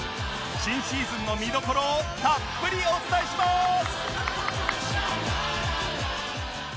新シーズンの見どころをたっぷりお伝えします！